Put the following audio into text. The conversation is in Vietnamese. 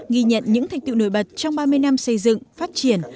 ghi nhận những thành tựu nổi bật trong ba mươi năm xây dựng phát triển